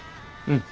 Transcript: うん。